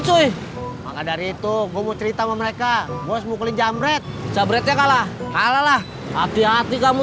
cuy maka dari itu gue mau cerita sama mereka gue semu klinjam red red ya kalah kalah hati hati kamu